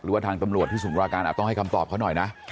ว่าทางตำรวจที่สมุทราการอาจต้องให้คำตอบเขาหน่อยนะ